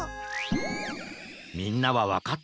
みんなはわかったかな？